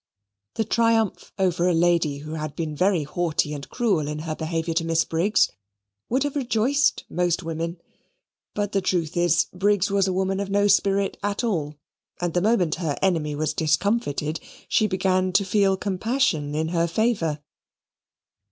This triumph over a lady who had been very haughty and cruel in her behaviour to Miss Briggs, would have rejoiced most women; but the truth is, Briggs was a woman of no spirit at all, and the moment her enemy was discomfited, she began to feel compassion in her favour.